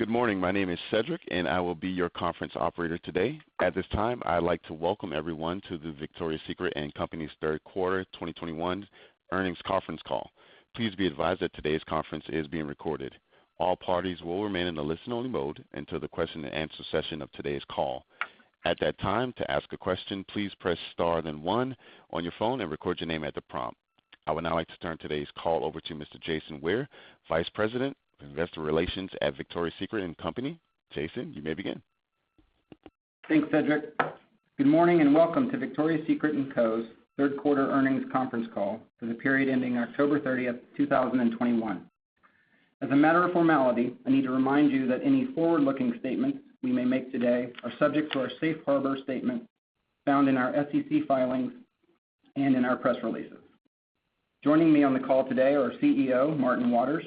Good morning. My name is Cedric, and I will be your conference operator today. At this time, I'd like to welcome everyone to the Victoria's Secret & Company's third quarter 2021 earnings conference call. Please be advised that today's conference is being recorded. All parties will remain in the listen-only mode until the question and answer session of today's call. At that time, to ask a question, please press star then one on your phone and record your name at the prompt. I would now like to turn today's call over to Mr. Jason Ware, Vice President of Investor Relations at Victoria's Secret & Company. Jason, you may begin. Thanks, Cedric. Good morning and welcome to Victoria's Secret & Co's third quarter earnings conference call for the period ending October 30, 2021. As a matter of formality, I need to remind you that any forward-looking statements we may make today are subject to our safe harbor statement found in our SEC filings and in our press releases. Joining me on the call today are CEO Martin Waters,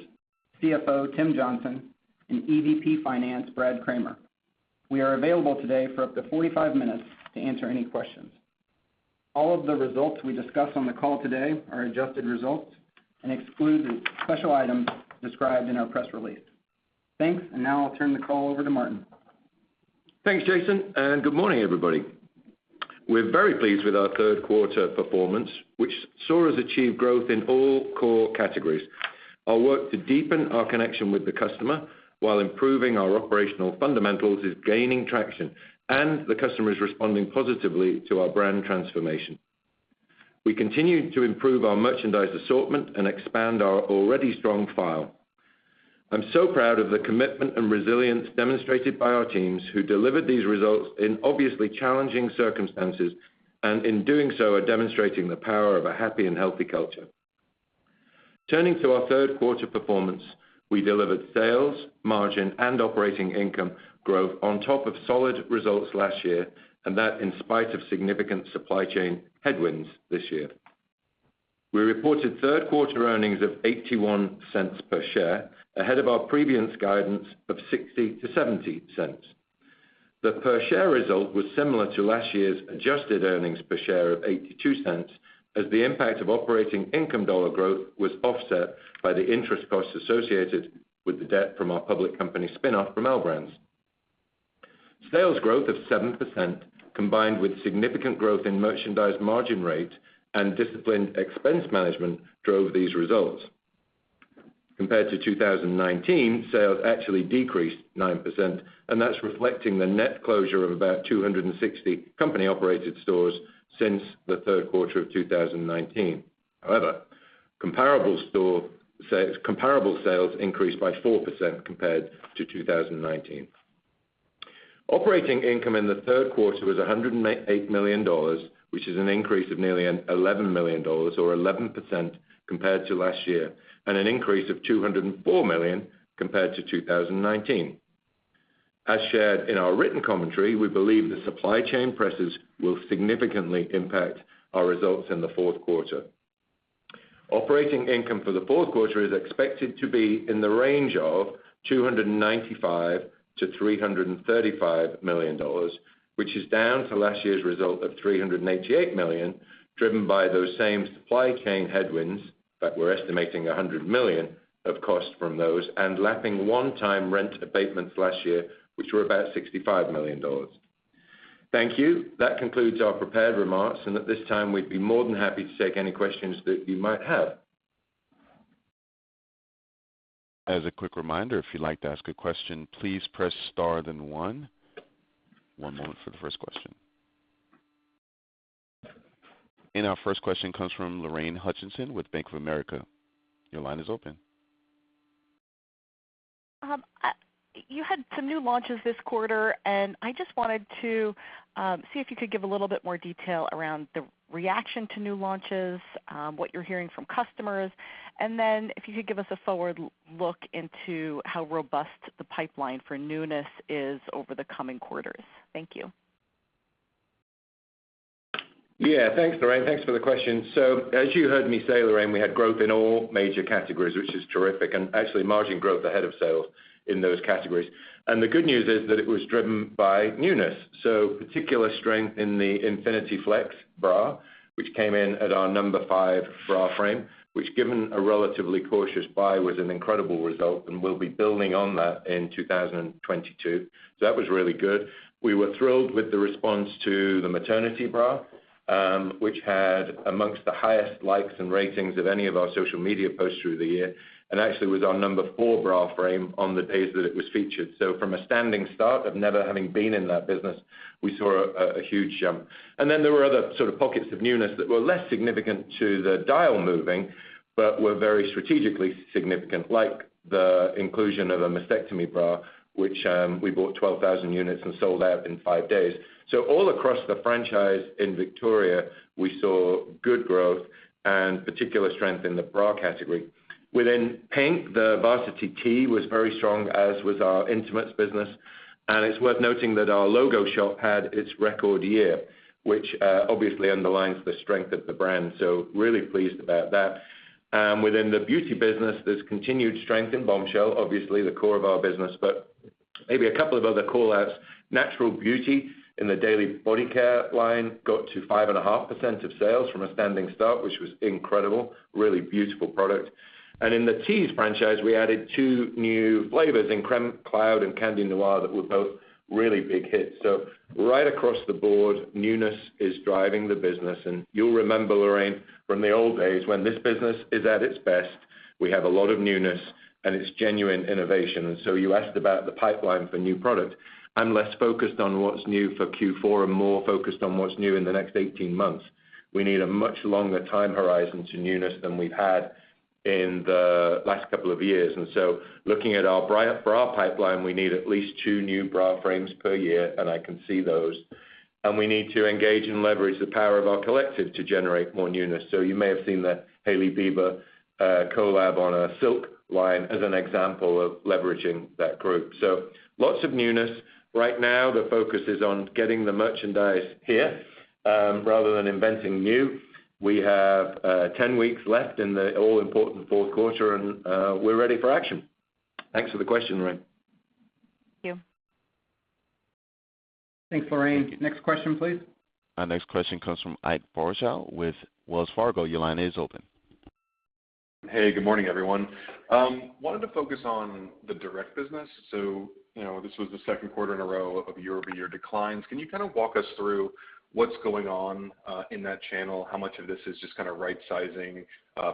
CFO Tim Johnson, and EVP Finance Brad Kramer. We are available today for up to 45 minutes to answer any questions. All of the results we discuss on the call today are adjusted results and exclude the special items described in our press release. Thanks, and now I'll turn the call over to Martin. Thanks, Kevin Wynk, and good morning, everybody. We're very pleased with our third quarter performance, which saw us achieve growth in all core categories. Our work to deepen our connection with the customer while improving our operational fundamentals is gaining traction, and the customer is responding positively to our brand transformation. We continue to improve our merchandise assortment and expand our already strong file. I'm so proud of the commitment and resilience demonstrated by our teams who delivered these results in obviously challenging circumstances, and in doing so, are demonstrating the power of a happy and healthy culture. Turning to our third quarter performance, we delivered sales, margin, and operating income growth on top of solid results last year, and that in spite of significant supply chain headwinds this year. We reported third quarter earnings of $0.81 per share, ahead of our previous guidance of $0.60-$0.70. The per share result was similar to last year's adjusted earnings per share of $0.82, as the impact of operating income dollar growth was offset by the interest costs associated with the debt from our public company spin-off from our brands. Sales growth of 7%, combined with significant growth in merchandise margin rate and disciplined expense management drove these results. Compared to 2019, sales actually decreased 9%, and that's reflecting the net closure of about 260 company-operated stores since the third quarter of 2019. However, comparable sales increased by 4% compared to 2019. Operating income in the third quarter was $108 million, which is an increase of nearly $11 million or 11% compared to last year, and an increase of $204 million compared to 2019. As shared in our written commentary, we believe the supply chain pressures will significantly impact our results in the fourth quarter. Operating income for the fourth quarter is expected to be in the range of $295 million-$335 million, which is down from last year's result of $388 million, driven by those same supply chain headwinds that we're estimating $100 million of cost from those and lapping one-time rent abatements last year, which were about $65 million. Thank you. That concludes our prepared remarks, and at this time, we'd be more than happy to take any questions that you might have. As a quick reminder, if you'd like to ask a question, please press star then one. One moment for the first question. Our first question comes from Lorraine Hutchinson with Bank of America. Your line is open. You had some new launches this quarter, and I just wanted to see if you could give a little bit more detail around the reaction to new launches, what you're hearing from customers, and then if you could give us a forward look into how robust the pipeline for newness is over the coming quarters. Thank you. Yeah. Thanks, Lorraine. Thanks for the question. As you heard me say, Lorraine, we had growth in all major categories, which is terrific, and actually margin growth ahead of sales in those categories. The good news is that it was driven by newness. Particular strength in the Infinity Flex bra, which came in at our number five bra frame, which given a relatively cautious buy, was an incredible result, and we'll be building on that in 2022. That was really good. We were thrilled with the response to the Maternity bra, which had among the highest likes and ratings of any of our social media posts through the year, and actually was our number four bra frame on the days that it was featured. From a standing start of never having been in that business, we saw a huge jump. There were other sort of pockets of newness that were less significant to the dial moving, but were very strategically significant, like the inclusion of a Mastectomy bra, which we bought 12,000 units and sold out in five days. All across the franchise in Victoria, we saw good growth and particular strength in the bra category. Within PINK, the Varsity Tee was very strong, as was our intimates business. It's worth noting that our logo shop had its record year, which obviously underlines the strength of the brand. Really pleased about that. Within the beauty business, there's continued strength in Bombshell, obviously the core of our business, but maybe a couple of other call-outs. Natural beauty in the daily body care line got to 5.5% of sales from a standing start, which was incredible. Really beautiful product. In the Tease franchise, we added two new flavors in Crème Cloud and Candy Noir that were both really big hits. Right across the board, newness is driving the business. You'll remember, Lorraine, from the old days when this business is at its best, we have a lot of newness, and it's genuine innovation. You asked about the pipeline for new product. I'm less focused on what's new for Q4 and more focused on what's new in the next 18 months. We need a much longer time horizon to newness than we've had in the last couple of years. Looking at our bra pipeline, we need at least two new bra frames per year, and I can see those. We need to engage and leverage the power of our collective to generate more newness. You may have seen that Hailey Bieber collab on a silk line as an example of leveraging that group. Lots of newness. Right now, the focus is on getting the merchandise here rather than inventing new. We have 10 weeks left in the all-important fourth quarter, and we're ready for action. Thanks for the question, Lorraine. Thank you. Thanks, Lorraine. Next question, please. Our next question comes from Ike Boruchow with Wells Fargo. Your line is open. Hey, good morning, everyone. Wanted to focus on the direct business. You know, this was the second quarter in a row of year-over-year declines. Can you kind of walk us through what's going on in that channel? How much of this is just kinda right-sizing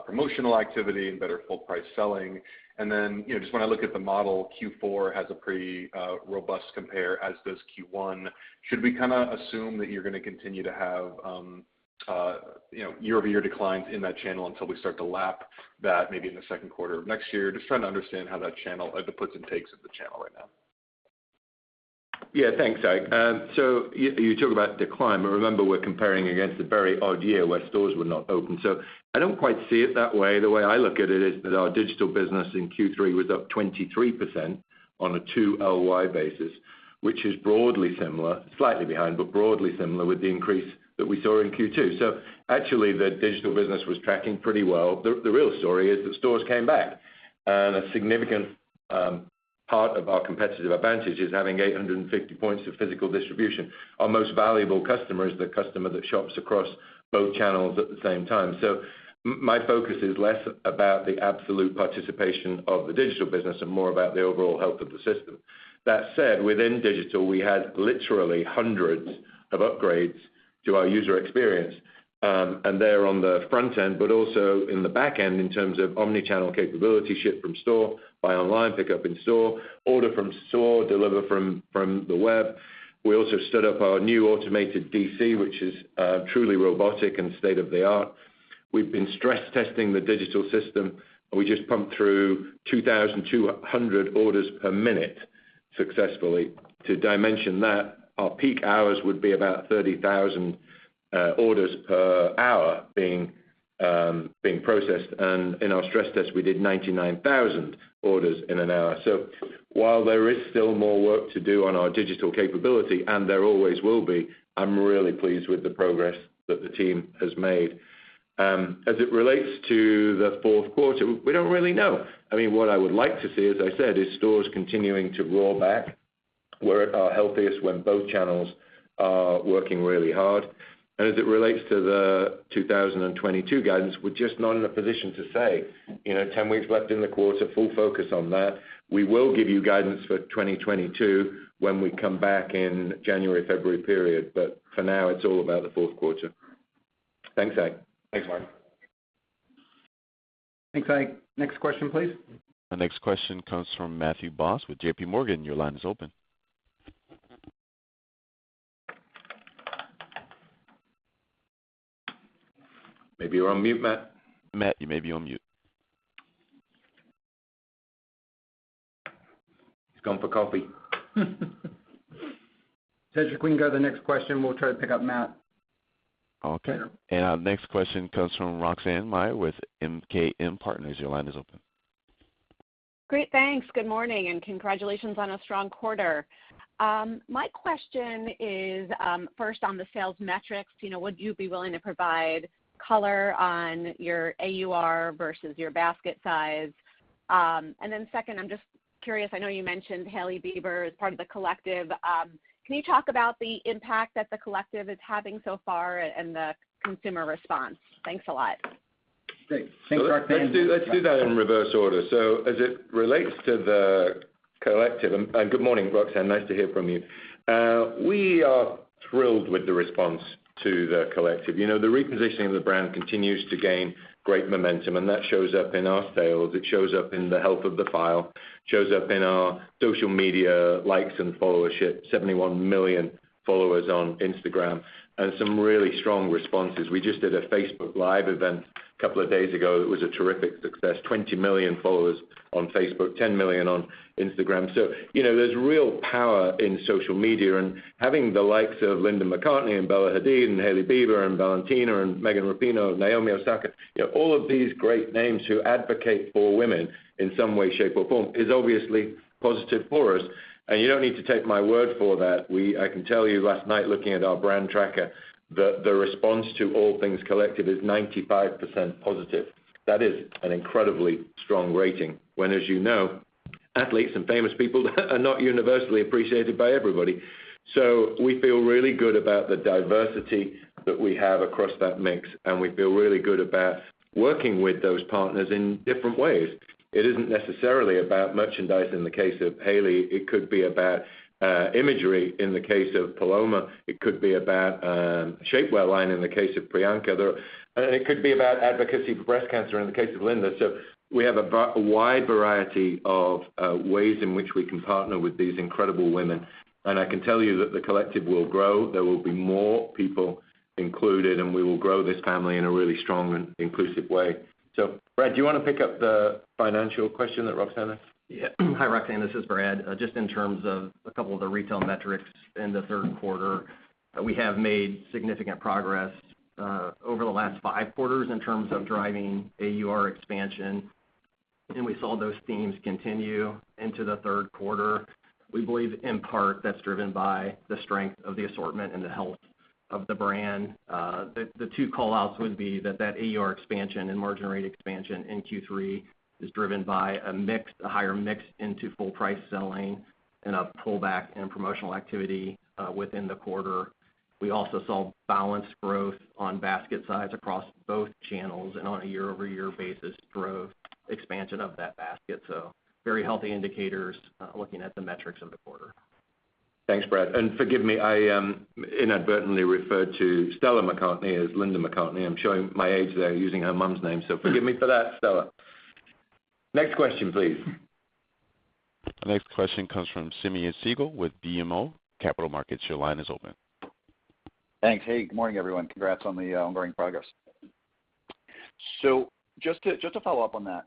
promotional activity and better full price selling? Then, you know, just when I look at the model, Q4 has a pretty robust compare, as does Q1. Should we kinda assume that you're gonna continue to have you know year-over-year declines in that channel until we start to lap that maybe in the second quarter of next year? Just trying to understand how that channel, the puts and takes of the channel right now. Yeah, thanks, Ike. You talk about decline, but remember, we're comparing against a very odd year where stores were not open. I don't quite see it that way. The way I look at it is that our digital business in Q3 was up 23% on a two-year basis, which is broadly similar, slightly behind, but broadly similar with the increase that we saw in Q2. Actually, the digital business was tracking pretty well. The real story is that stores came back. A significant part of our competitive advantage is having 850 points of physical distribution. Our most valuable customer is the customer that shops across both channels at the same time. My focus is less about the absolute participation of the digital business and more about the overall health of the system. That said, within digital, we had literally hundreds of upgrades to our user experience, and they're on the front end, but also in the back end in terms of omni-channel capability, ship from store, buy online, pick up in store, order from store, deliver from the web. We also stood up our new automated DC, which is truly robotic and state-of-the-art. We've been stress testing the digital system, and we just pumped through 2,200 orders per minute successfully. To dimension that, our peak hours would be about 30,000 orders per hour being processed. In our stress test, we did 99,000 orders in an hour. While there is still more work to do on our digital capability, and there always will be, I'm really pleased with the progress that the team has made. As it relates to the fourth quarter, we don't really know. I mean, what I would like to see, as I said, is stores continuing to roar back. We're at our healthiest when both channels are working really hard. As it relates to the 2022 guidance, we're just not in a position to say. You know, 10 weeks left in the quarter, full focus on that. We will give you guidance for 2022 when we come back in January, February period. For now, it's all about the fourth quarter. Thanks, Ike. Thanks, Martin. Thanks, Ike. Next question, please. Our next question comes from Matthew Boss with JP Morgan. Your line is open. Maybe you're on mute, Matt. Matt, you may be on mute. He's gone for coffee. Ted, you can go to the next question. We'll try to pick up Matt later. Okay. Our next question comes from Roxanne Meyer with MKM Partners. Your line is open. Great. Thanks. Good morning, and congratulations on a strong quarter. My question is, first on the sales metrics. You know, would you be willing to provide color on your AUR versus your basket size? Second, I'm just curious. I know you mentioned Hailey Bieber as part of the collective. Can you talk about the impact that the collective is having so far and the consumer response? Thanks a lot. Great. Thanks, Roxanne. Let's do that in reverse order. As it relates to the collective. Good morning, Roxanne. Nice to hear from you. We are thrilled with the response to the collective. You know, the repositioning of the brand continues to gain great momentum, and that shows up in our sales. It shows up in the health of the file, shows up in our social media likes and followership, 71 million followers on Instagram, and some really strong responses. We just did a Facebook Live event a couple of days ago. It was a terrific success. 20 million followers on Facebook, 10 million on Instagram. you know, there's real power in social media, and having the likes of Stella McCartney and Bella Hadid and Hailey Bieber and Valentina and Megan Rapinoe, Naomi Osaka, you know, all of these great names who advocate for women in some way, shape, or form is obviously positive for us. you don't need to take my word for that. I can tell you last night, looking at our brand tracker, the response to all things collective is 95% positive. That is an incredibly strong rating when, as you know, athletes and famous people that are not universally appreciated by everybody. we feel really good about the diversity that we have across that mix, and we feel really good about working with those partners in different ways. It isn't necessarily about merchandise in the case of Hailey. It could be about imagery in the case of Paloma. It could be about shapewear line in the case of Priyanka there. It could be about advocacy for breast cancer in the case of Linda. We have a wide variety of ways in which we can partner with these incredible women. I can tell you that the collective will grow. There will be more people included, and we will grow this family in a really strong and inclusive way. Brad, do you wanna pick up the financial question that Roxanne has? Yeah. Hi, Roxanne, this is Brad. Just in terms of a couple of the retail metrics in the third quarter, we have made significant progress over the last five quarters in terms of driving AUR expansion, and we saw those themes continue into the third quarter. We believe, in part, that's driven by the strength of the assortment and the health of the brand. The two call-outs would be that AUR expansion and margin rate expansion in Q3 is driven by a mix, a higher mix into full price selling and a pullback in promotional activity within the quarter. We also saw balanced growth on basket size across both channels and on a year-over-year basis growth expansion of that basket. Very healthy indicators looking at the metrics of the quarter. Thanks, Brad. Forgive me, I inadvertently referred to Stella McCartney as Linda McCartney. I'm showing my age there using her mom's name. Forgive me for that, Stella. Next question, please. The next question comes from Simeon Siegel with BMO Capital Markets. Your line is open. Thanks. Hey, good morning, everyone. Congrats on the ongoing progress. Just to follow up on that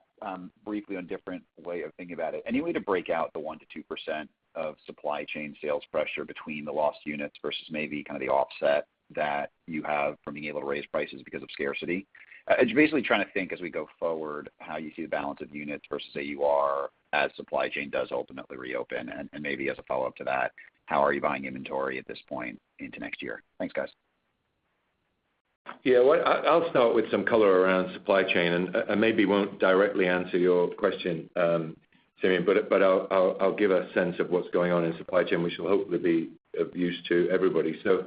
briefly on a different way of thinking about it, any way to break out the 1%-2% of supply chain sales pressure between the lost units versus maybe kind of the offset that you have from being able to raise prices because of scarcity? Just basically trying to think as we go forward, how you see the balance of units versus AUR as supply chain does ultimately reopen. Maybe as a follow-up to that, how are you buying inventory at this point into next year? Thanks, guys. Yeah. Well, I'll start with some color around supply chain, and maybe won't directly answer your question, Simeon, but I'll give a sense of what's going on in supply chain, which will hopefully be of use to everybody. As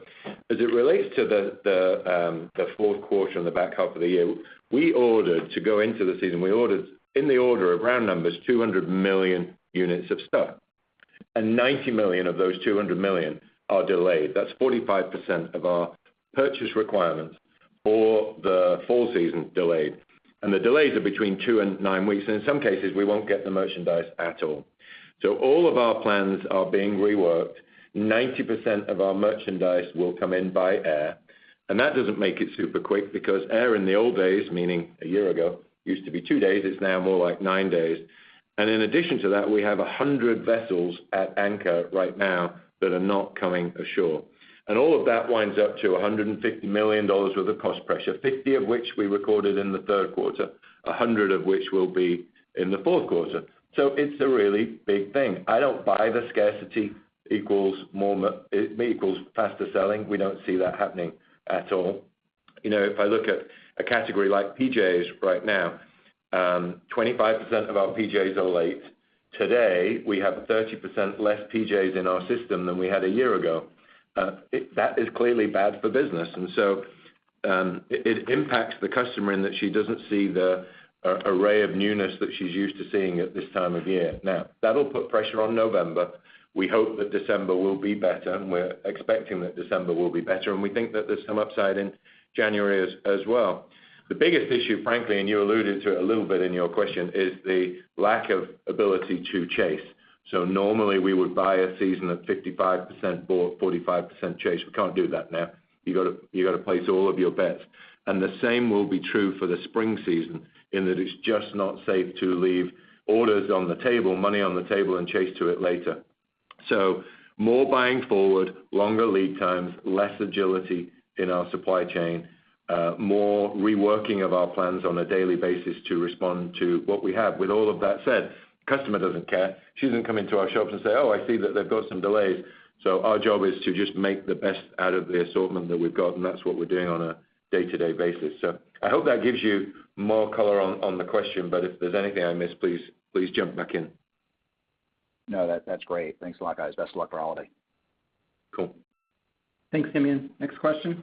it relates to the fourth quarter and the back half of the year, we ordered in the order of round numbers, 200 million units of stuff, and 90 million of those 200 million are delayed. That's 45% of our purchase requirements for the fall season delayed, and the delays are between 2-9 weeks, and in some cases, we won't get the merchandise at all. All of our plans are being reworked. 90% of our merchandise will come in by air, and that doesn't make it super quick because air in the old days, meaning a year ago, used to be 2 days, it's now more like 9 days. In addition to that, we have 100 vessels at anchor right now that are not coming ashore. All of that winds up to $150 million worth of cost pressure, $50 million of which we recorded in the third quarter, $100 million of which will be in the fourth quarter. It's a really big thing. I don't buy the scarcity equals more equals faster selling. We don't see that happening at all. You know, if I look at a category like PJs right now, 25% of our PJs are late. Today, we have 30% less PJs in our system than we had a year ago. That is clearly bad for business. It impacts the customer in that she doesn't see the array of newness that she's used to seeing at this time of year. Now, that'll put pressure on November. We hope that December will be better, and we're expecting that December will be better, and we think that there's some upside in January as well. The biggest issue, frankly, and you alluded to it a little bit in your question, is the lack of ability to chase. Normally, we would buy a season at 55% bought, 45% chase. We can't do that now. You gotta place all of your bets. The same will be true for the spring season in that it's just not safe to leave orders on the table, money on the table, and chase to it later. More buying forward, longer lead times, less agility in our supply chain, more reworking of our plans on a daily basis to respond to what we have. With all of that said, customer doesn't care. She doesn't come into our shops and say, "Oh, I see that they've got some delays." Our job is to just make the best out of the assortment that we've got, and that's what we're doing on a day-to-day basis. I hope that gives you more color on the question. If there's anything I missed, please jump back in. No, that's great. Thanks a lot, guys. Best of luck for holiday. Cool. Thanks, Simeon. Next question.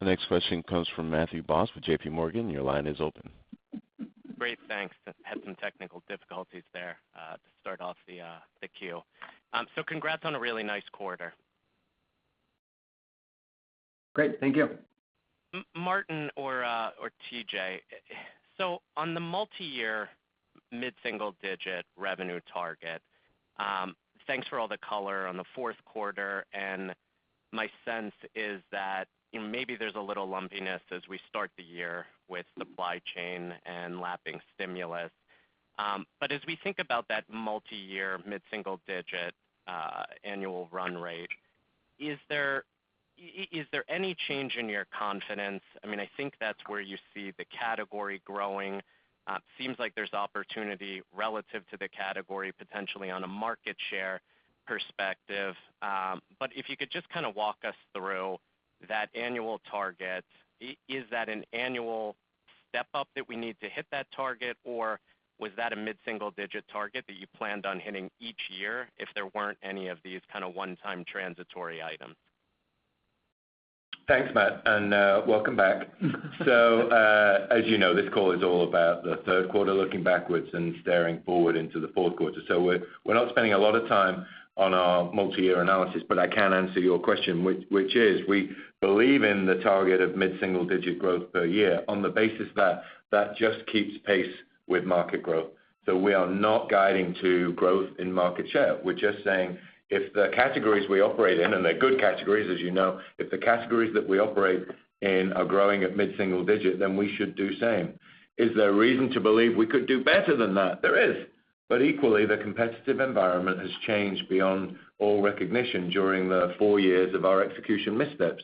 The next question comes from Matthew Boss with JP Morgan. Your line is open. Great. Thanks. Just had some technical difficulties there, to start off the queue. Congrats on a really nice quarter. Great. Thank you. Martin or TJ, on the multi-year mid-single-digit revenue target, thanks for all the color on the fourth quarter, and my sense is that, you know, maybe there's a little lumpiness as we start the year with supply chain and lapping stimulus. But as we think about that multi-year mid-single-digit annual run rate, is there any change in your confidence? I mean, I think that's where you see the category growing. Seems like there's opportunity relative to the category potentially on a market share perspective. But if you could just kind of walk us through that annual target, is that an annual step up that we need to hit that target? Or was that a mid-single digit target that you planned on hitting each year if there weren't any of these kind of one-time transitory items? Thanks, Matt, and welcome back. As you know, this call is all about the third quarter, looking backwards and staring forward into the fourth quarter. We're not spending a lot of time on our multi-year analysis, but I can answer your question, which is we believe in the target of mid-single-digit growth per year on the basis that that just keeps pace with market growth. We are not guiding to growth in market share. We're just saying if the categories we operate in, and they're good categories, as you know, if the categories that we operate in are growing at mid-single-digit, then we should do same. Is there reason to believe we could do better than that? There is. Equally, the competitive environment has changed beyond all recognition during the four years of our execution missteps.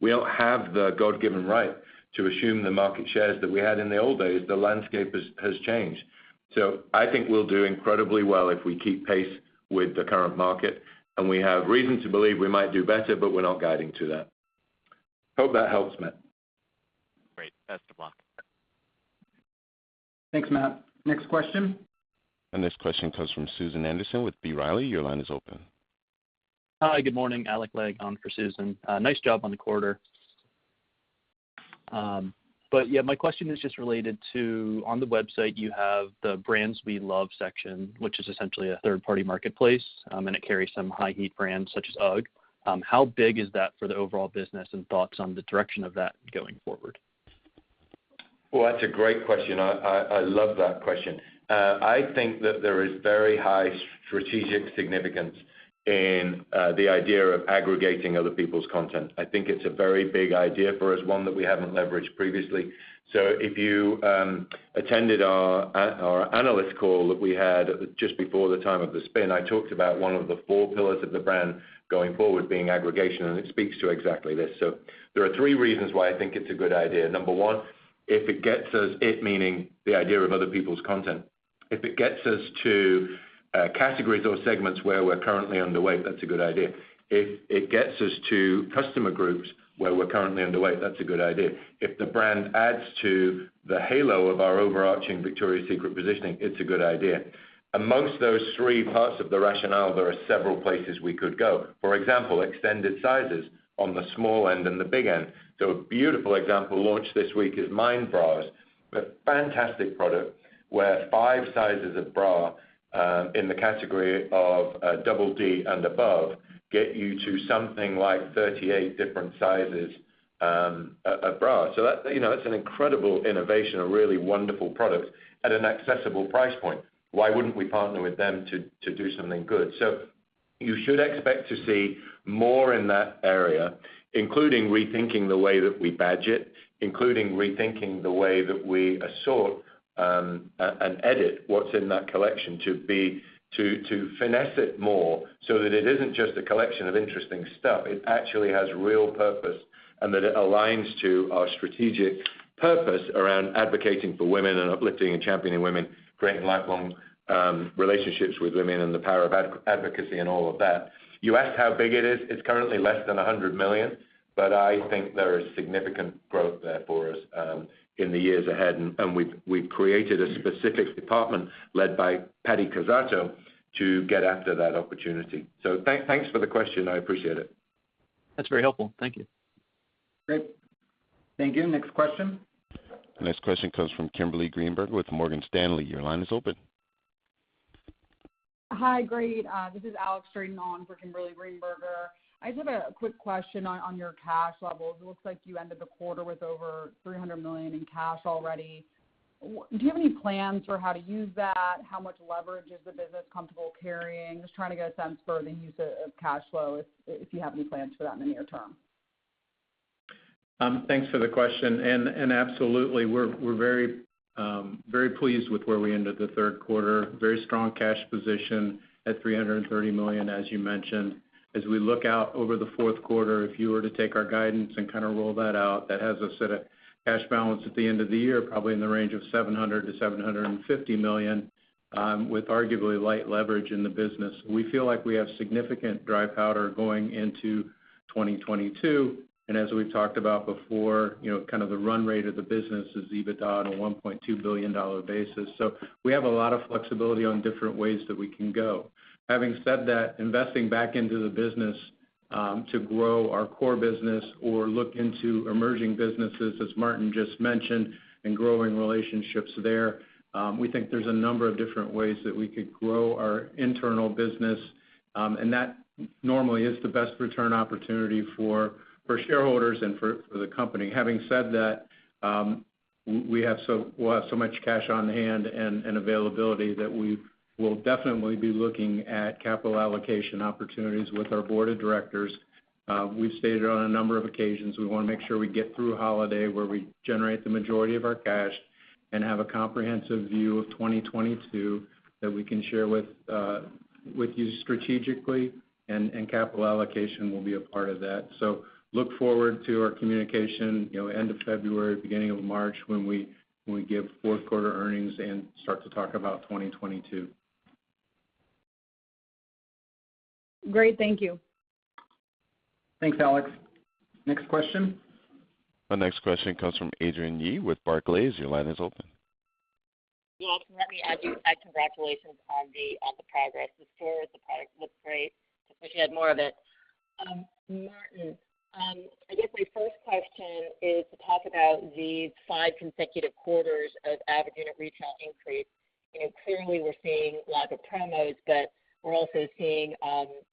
We don't have the God-given right to assume the market shares that we had in the old days. The landscape has changed. I think we'll do incredibly well if we keep pace with the current market, and we have reason to believe we might do better, but we're not guiding to that. Hope that helps, Matt. Great. Best of luck. Thanks, Matt. Next question. This question comes from Susan Anderson with B. Riley. Your line is open. Hi, good morning. Alec Legg on for Susan. Nice job on the quarter. Yeah, my question is just related to, on the website you have the Brands We Love section, which is essentially a third-party marketplace, and it carries some high-heat brands such as UGG. How big is that for the overall business, and thoughts on the direction of that going forward? Well, that's a great question. I love that question. I think that there is very high strategic significance in the idea of aggregating other people's content. I think it's a very big idea for us, one that we haven't leveraged previously. If you attended our analyst call that we had just before the time of the spin, I talked about one of the four pillars of the brand going forward being aggregation, and it speaks to exactly this. There are three reasons why I think it's a good idea. Number one, if it gets us, it meaning the idea of other people's content, if it gets us to categories or segments where we're currently underweight, that's a good idea. If it gets us to customer groups where we're currently underweight, that's a good idea. If the brand adds to the halo of our overarching Victoria's Secret positioning, it's a good idea. Among those three parts of the rationale, there are several places we could go. For example, extended sizes on the small end and the big end. A beautiful example launched this week is MINDD bras. A fantastic product where five sizes of bra in the category of double D and above get you to something like 38 different sizes, a bra. That's an incredible innovation, a really wonderful product at an accessible price point. Why wouldn't we partner with them to do something good? You should expect to see more in that area, including rethinking the way that we badge it, including rethinking the way that we assort, and edit what's in that collection to finesse it more so that it isn't just a collection of interesting stuff, it actually has real purpose, and that it aligns to our strategic purpose around advocating for women and uplifting and championing women, creating lifelong relationships with women and the power of advocacy and all of that. You asked how big it is. It's currently less than $100 million, but I think there is significant growth there for us in the years ahead. We've created a specific department led by Patti Cazzato to get after that opportunity. Thanks for the question. I appreciate it. That's very helpful. Thank you. Great. Thank you. Next question. Next question comes from Kimberly Greenberger with Morgan Stanley. Your line is open. Hi. Great. This is Alex Straton in for Kimberly Greenberger. I just have a quick question on your cash levels. It looks like you ended the quarter with over $300 million in cash already. Do you have any plans for how to use that? How much leverage is the business comfortable carrying? Just trying to get a sense for the use of cash flow, if you have any plans for that in the near term. Thanks for the question. Absolutely. We're very pleased with where we ended the third quarter. Very strong cash position at $330 million, as you mentioned. As we look out over the fourth quarter, if you were to take our guidance and kind of roll that out, that has us at a cash balance at the end of the year, probably in the range of $700 million-$750 million, with arguably light leverage in the business. We feel like we have significant dry powder going into 2022. As we've talked about before, you know, kind of the run rate of the business is EBITDA on a $1.2 billion basis. We have a lot of flexibility on different ways that we can go. Having said that, investing back into the business, to grow our core business or look into emerging businesses, as Mark just mentioned, and growing relationships there, we think there's a number of different ways that we could grow our internal business, and that normally is the best return opportunity for shareholders and for the company. Having said that, we'll have so much cash on hand and availability that we will definitely be looking at capital allocation opportunities with our Board of Directors. We've stated on a number of occasions we wanna make sure we get through holiday where we generate the majority of our cash and have a comprehensive view of 2022 that we can share with you strategically, and capital allocation will be a part of that. Look forward to our communication, you know, end of February, beginning of March when we give fourth quarter earnings and start to talk about 2022. Great. Thank you. Thanks, Alex. Next question. The next question comes from Adrienne Yih with Barclays. Your line is open. Yeah. Let me add congratulations on the progress. The store, the product looks great. Let's get more of it. Martin, I guess my first question is to talk about the five consecutive quarters of average unit retail increase. You know, clearly we're seeing lots of promos, but we're also seeing,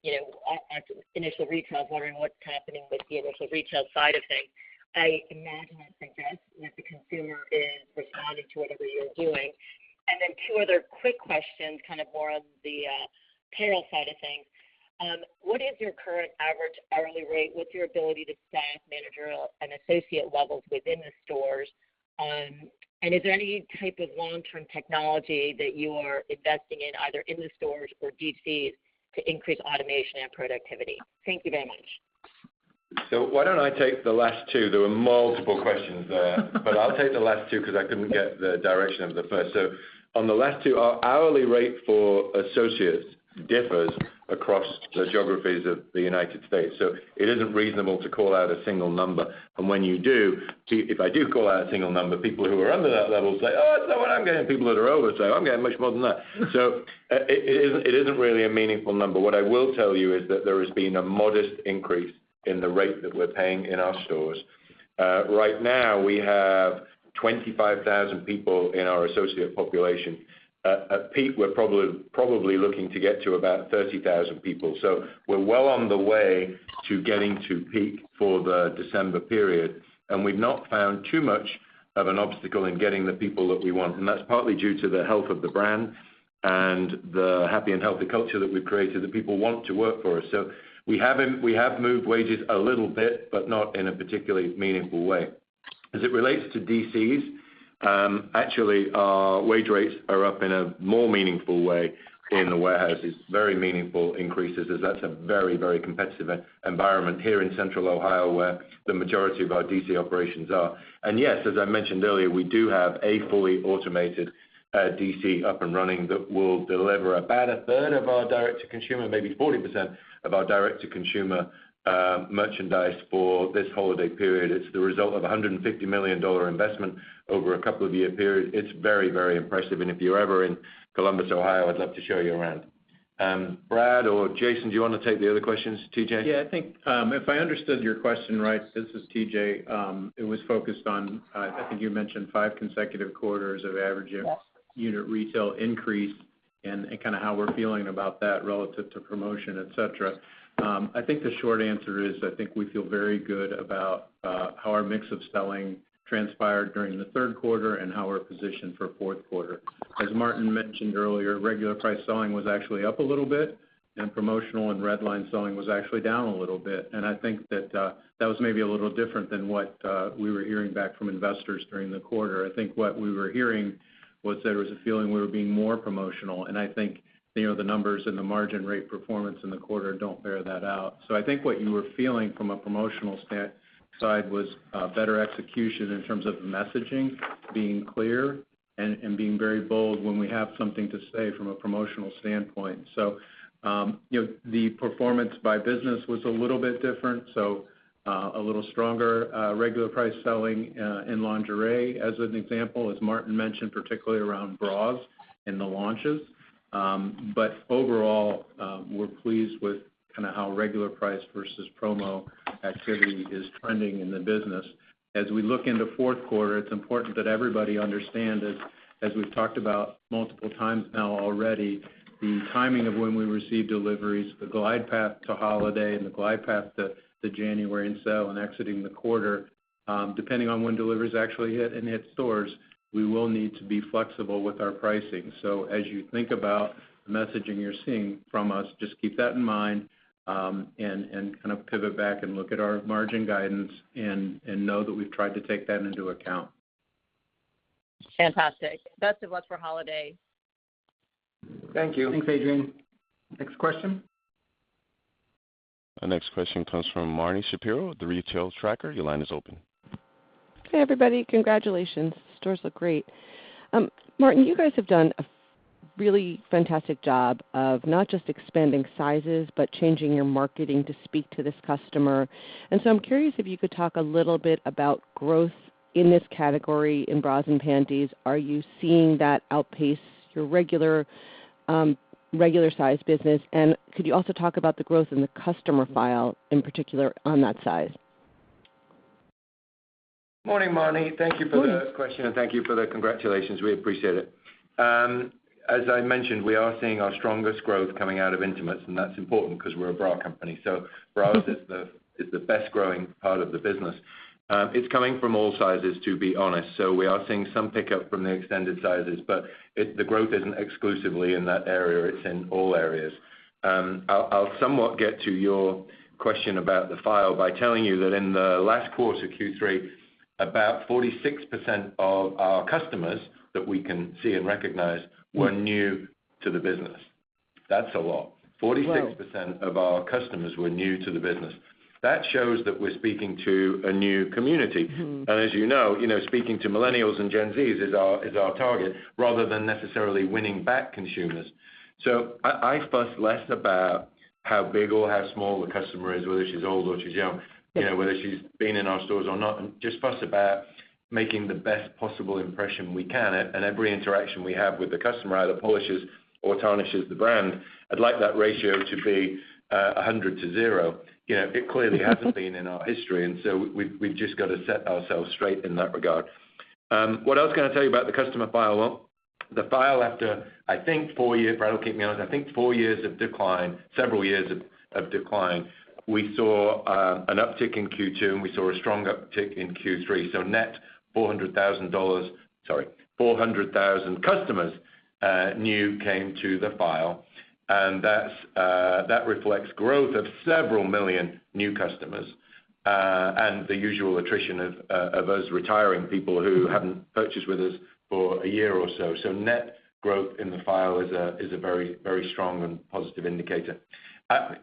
you know, oh, after initial retail, wondering what's happening with the initial retail side of things. I imagine, I think that the consumer is responding to whatever you're doing. Two other quick questions, kind of more on the payroll side of things. What is your current average hourly rate? What's your ability to staff managerial and associate levels within the stores? Is there any type of long-term technology that you are investing in, either in the stores or DCs to increase automation and productivity? Thank you very much. Why don't I take the last two? There were multiple questions there. I'll take the last two because I couldn't get the direction of the first. On the last two, our hourly rate for associates differs across the geographies of the United States. It isn't reasonable to call out a single number. When you do, if I do call out a single number, people who are under that level say, "Oh, that's not what I'm getting." People that are over say, "I'm getting much more than that." It isn't really a meaningful number. What I will tell you is that there has been a modest increase in the rate that we're paying in our stores. Right now we have 25,000 people in our associate population. At peak, we're probably looking to get to about 30,000 people. We're well on the way to getting to peak for the December period. We've not found too much of an obstacle in getting the people that we want. That's partly due to the health of the brand and the happy and healthy culture that we've created, that people want to work for us. We have moved wages a little bit, but not in a particularly meaningful way. As it relates to DCs, actually our wage rates are up in a more meaningful way in the warehouses, very meaningful increases as that's a very, very competitive environment here in central Ohio where the majority of our DC operations are. Yes, as I mentioned earlier, we do have a fully automated DC up and running that will deliver about a third of our direct-to-consumer, maybe 40% of our direct-to-consumer, merchandise for this holiday period. It's the result of a $150 million investment over a couple of year period. It's very, very impressive. If you're ever in Columbus, Ohio, I'd love to show you around. Brad or Jason, do you wanna take the other questions? TJ? Yeah, I think if I understood your question right, this is TJ. It was focused on, I think you mentioned five consecutive quarters of average unit retail increase and kinda how we're feeling about that relative to promotion, et cetera. I think the short answer is, I think we feel very good about how our mix of selling transpired during the third quarter and how we're positioned for fourth quarter. As Martin mentioned earlier, regular price selling was actually up a little bit, and promotional and red line selling was actually down a little bit. I think that was maybe a little different than what we were hearing back from investors during the quarter. I think what we were hearing was there was a feeling we were being more promotional, and I think, you know, the numbers and the margin rate performance in the quarter don't bear that out. I think what you were feeling from a promotional standpoint was better execution in terms of the messaging being clear and being very bold when we have something to say from a promotional standpoint. You know, the performance by business was a little bit different, so a little stronger regular price selling in lingerie as an example, as Martin mentioned, particularly around bras and the launches. Overall, we're pleased with kinda how regular price versus promo activity is trending in the business. We look into fourth quarter, it's important that everybody understand, as we've talked about multiple times now already, the timing of when we receive deliveries, the glide path to holiday and the glide path to January and exiting the quarter, depending on when deliveries actually hit stores, we will need to be flexible with our pricing. As you think about the messaging you're seeing from us, just keep that in mind, and kind of pivot back and look at our margin guidance and know that we've tried to take that into account. Fantastic. Best of luck for holiday. Thank you. Thanks, Adrienne. Next question. The next question comes from Marni Shapiro with The Retail Tracker. Your line is open. Hey, everybody. Congratulations. Stores look great. Martin, you guys have done a really fantastic job of not just expanding sizes, but changing your marketing to speak to this customer. I'm curious if you could talk a little bit about growth in this category in bras and panties. Are you seeing that outpace your regular size business? Could you also talk about the growth in the customer file, in particular on that size? Morning, Marni. Thank you for the question. Thank you for the congratulations. We appreciate it. As I mentioned, we are seeing our strongest growth coming out of intimates, and that's important because we're a bra company. Bras is the best growing part of the business. It's coming from all sizes, to be honest. We are seeing some pickup from the extended sizes, but the growth isn't exclusively in that area, it's in all areas. I'll somewhat get to your question about the file by telling you that in the last quarter, Q3, about 46% of our customers that we can see and recognize were new to the business. That's a lot. 46% of our customers were new to the business. That shows that we're speaking to a new community. Mm-hmm. As you know, speaking to millennials and Gen Z is our target rather than necessarily winning back consumers. I fuss less about how big or how small the customer is, whether she's old or she's young, you know, whether she's been in our stores or not, and just fuss about making the best possible impression we can. Every interaction we have with the customer either polishes or tarnishes the brand. I'd like that ratio to be 100 to 0. You know, it clearly hasn't been in our history, and so we've just got to set ourselves straight in that regard. What else can I tell you about the customer file? Well, the file after, I think 4 years, if they don't kick me out, 4 years of decline, several years of decline, we saw an uptick in Q2, and we saw a strong uptick in Q3. Net 400,000 new customers came to the file. That reflects growth of several million new customers and the usual attrition of us retiring, people who haven't purchased with us for a year or so. Net growth in the file is a very strong and positive indicator.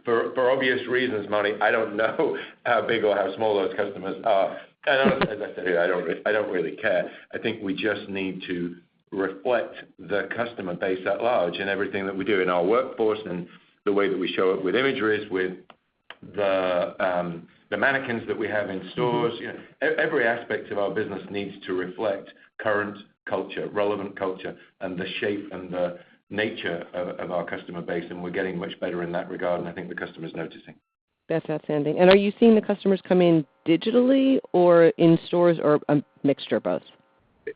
For obvious reasons, Marni, I don't know how big or how small those customers are. As I said, I don't really care. I think we just need to reflect the customer base at large in everything that we do in our workforce and the way that we show up with imageries, with the mannequins that we have in stores. You know, every aspect of our business needs to reflect current culture, relevant culture, and the shape and the nature of our customer base, and we're getting much better in that regard, and I think the customer is noticing. That's outstanding. Are you seeing the customers come in digitally or in stores or a mixture of both?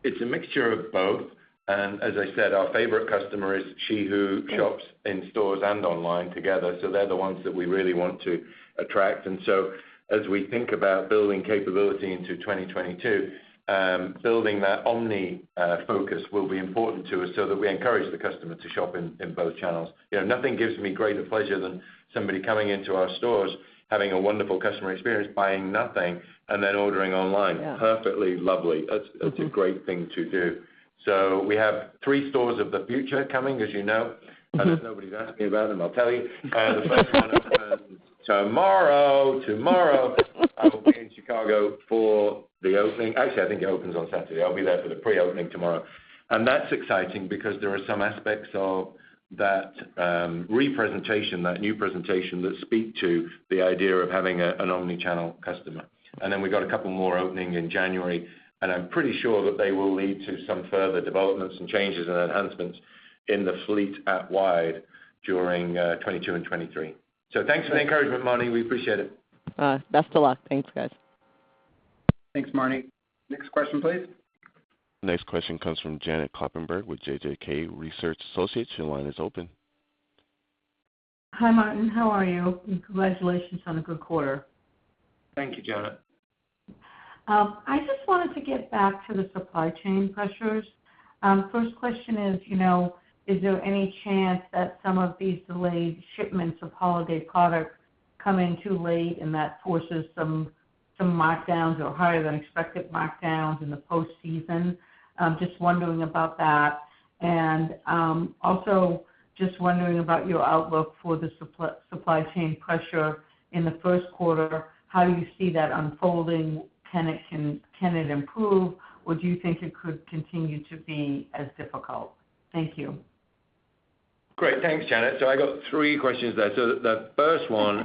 It's a mixture of both. As I said, our favorite customer is she who shops in stores and online together. They're the ones that we really want to attract. As we think about building capability into 2022, building that omni focus will be important to us so that we encourage the customer to shop in both channels. You know, nothing gives me greater pleasure than somebody coming into our stores, having a wonderful customer experience, buying nothing, and then ordering online. Yeah. Perfectly lovely. It's a great thing to do. We have three Store of the Future coming, as you know. Mm-hmm. If nobody's asked me about them, I'll tell you. The first one opens tomorrow. Tomorrow, I will be in Chicago for the opening. Actually, I think it opens on Saturday. I'll be there for the pre-opening tomorrow. That's exciting because there are some aspects of that representation, that new presentation that speak to the idea of having an omnichannel customer. Then we got a couple more opening in January, and I'm pretty sure that they will lead to some further developments and changes and enhancements in the fleet-wide during 2022 and 2023. Thanks for the encouragement, Marni. We appreciate it. Best of luck. Thanks, guys. Thanks, Marni. Next question, please. Next question comes from Janet Kloppenburg with JJK Research Associates. Your line is open. Hi, Martin. How are you? Congratulations on a good quarter. Thank you, Janet. I just wanted to get back to the supply chain pressures. First question is, you know, is there any chance that some of these delayed shipments of holiday products come in too late and that forces some markdowns or higher than expected markdowns in the post-season? Just wondering about that. Also just wondering about your outlook for the supply chain pressure in the first quarter. How do you see that unfolding? Can it improve, or do you think it could continue to be as difficult? Thank you. Great. Thanks, Janet. I got three questions there. The first one,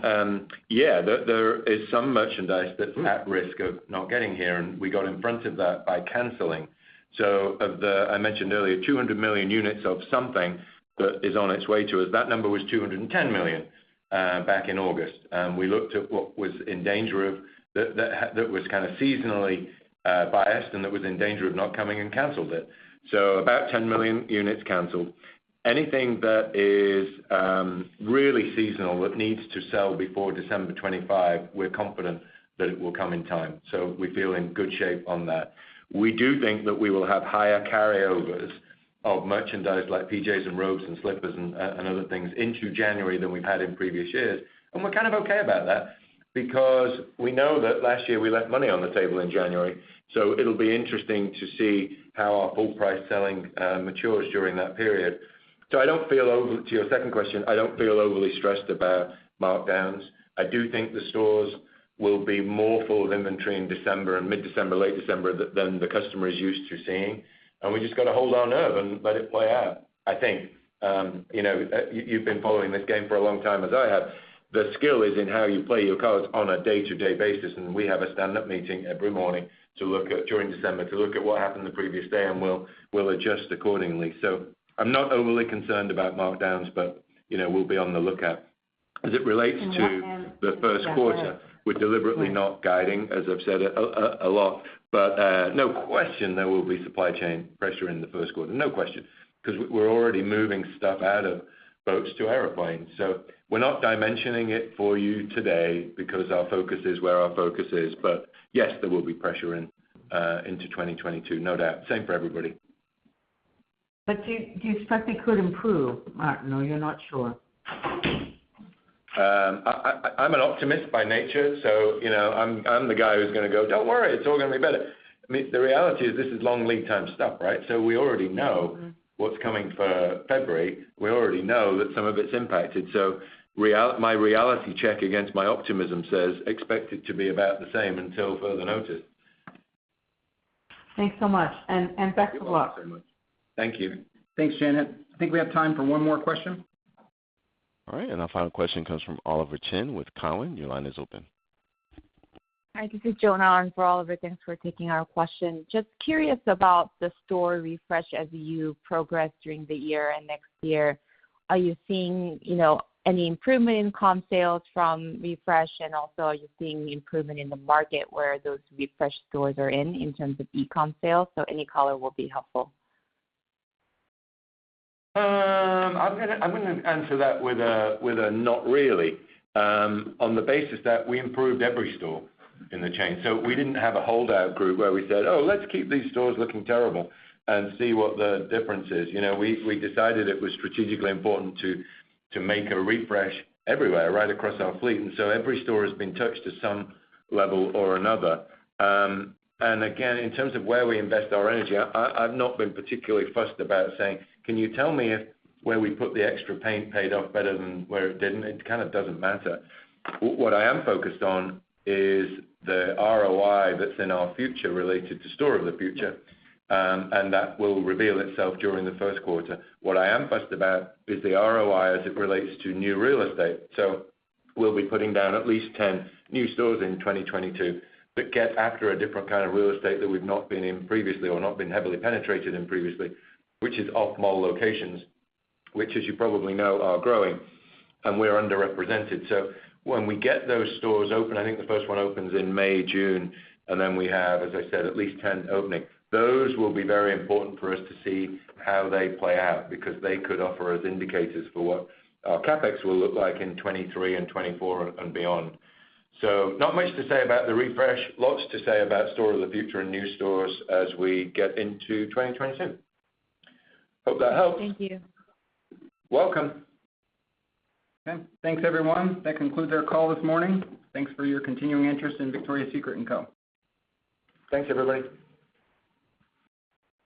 there is some merchandise that's at risk of not getting here, and we got in front of that by canceling. Of the, I mentioned earlier, 200 million units of something that is on its way to us, that number was 210 million units back in August. We looked at what was in danger of that that was kinda seasonally biased and that was in danger of not coming and canceled it. About 10 million units canceled. Anything that is really seasonal that needs to sell before December 25, we're confident that it will come in time. We feel in good shape on that. We do think that we will have higher carryovers of merchandise like PJs and robes and slippers and other things into January than we've had in previous years. We're kind of okay about that because we know that last year we left money on the table in January. It'll be interesting to see how our full price selling matures during that period. To your second question, I don't feel overly stressed about markdowns. I do think the stores will be more full of inventory in December and mid-December, late December, than the customer is used to seeing. We just got to hold our nerve and let it play out. I think, you know, you've been following this game for a long time, as I have. The skill is in how you play your cards on a day-to-day basis. We have a stand-up meeting every morning to look at during December what happened the previous day, and we'll adjust accordingly. I'm not overly concerned about markdowns, but, you know, we'll be on the lookout. As it relates to The last one. The first quarter, we're deliberately not guiding, as I've said a lot. No question there will be supply chain pressure in the first quarter. No question, 'cause we're already moving stuff out of boats to airplanes. We're not dimensioning it for you today because our focus is where our focus is. Yes, there will be pressure into 2022, no doubt. Same for everybody. Do you expect it could improve, Martin, or you're not sure? I'm an optimist by nature, so you know, I'm the guy who's gonna go, "Don't worry, it's all gonna be better." I mean, the reality is this is long lead time stuff, right? So we already know what's coming February, we already know that some of it's impacted. So my reality check against my optimism says expect it to be about the same until further notice. Thanks so much, and best of luck. You're welcome very much. Thank you. Thanks, Janet. I think we have time for one more question. All right, our final question comes from Oliver Chen with Cowen. Your line is open. Hi, this is Joan on for Oliver. Thanks for taking our question. Just curious about the store refresh as you progress during the year and next year. Are you seeing, you know, any improvement in comp sales from refresh? And also, are you seeing improvement in the market where those refreshed stores are in terms of e-comm sales? Any color will be helpful. I'm gonna answer that with a not really, on the basis that we improved every store in the chain. We didn't have a holdout group where we said, "Oh, let's keep these stores looking terrible and see what the difference is." You know, we decided it was strategically important to make a refresh everywhere, right across our fleet. Every store has been touched at some level or another. And again, in terms of where we invest our energy, I've not been particularly fussed about saying, "Can you tell me if where we put the extra paint paid off better than where it didn't?" It kind of doesn't matter. What I am focused on is the ROI that's in our future related to Store of the Future, and that will reveal itself during the first quarter. What I am fussed about is the ROI as it relates to new real estate. We'll be putting down at least 10 new stores in 2022 that get after a different kind of real estate that we've not been in previously or not been heavily penetrated in previously, which is off-mall locations, which, as you probably know, are growing, and we're underrepresented. When we get those stores open, I think the first one opens in May, June, and then we have, as I said, at least 10 opening. Those will be very important for us to see how they play out because they could offer us indicators for what our CapEx will look like in 2023 and 2024 and beyond. Not much to say about the refresh. Lots to say about Store of the Future and new stores as we get into 2022. Hope that helped. Thank you. Welcome. Okay. Thanks, everyone. That concludes our call this morning. Thanks for your continuing interest in Victoria's Secret & Co. Thanks everybody.